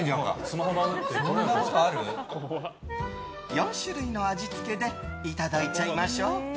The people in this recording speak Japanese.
４種類の味付けでいただいちゃいましょう。